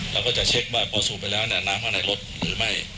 เราก็จะเช็คว่าพอสูบไปแล้วเนี่ยน้ำข้างในรถหรือไม่